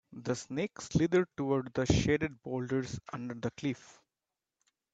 The snake slithered toward the shaded boulders under the cliff.